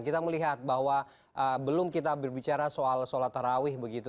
kita melihat bahwa belum kita berbicara soal sholat tarawih begitu